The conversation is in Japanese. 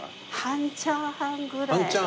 半チャーハンぐらい？